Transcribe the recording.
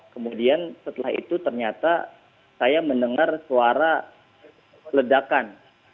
kemudian setelah itu ternyata saya mendengar suara ledakan